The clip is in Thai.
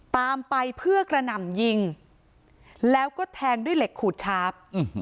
ตามไปเพื่อกระหน่ำยิงแล้วก็แทงด้วยเหล็กขูดชาร์ฟ